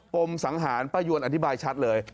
มสังหารป้ายวนอธิบายชัดเลย